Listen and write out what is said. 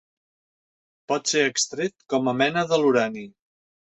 Pot ser extret com a mena de l'urani.